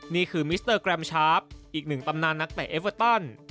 นี่คือมิสเตอร์แกรมชาร์ฟอีกหนึ่งตำนานนักเตะเอเวอร์ตัน